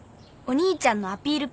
「お兄ちゃんのアピール